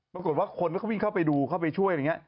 ปรากฏว่าคนก็วิ่งเข้าไปดูเข้าไปช่วยอะไรอย่างนี้